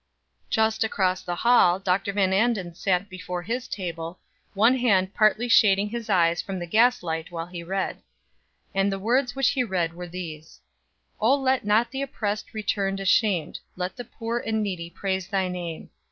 Just across the hall Dr. Van Anden sat before his table, one hand partly shading his eyes from the gaslight while he read. And the words which he read were these: "O let not the oppressed returned ashamed: let the poor and needy praise thy name.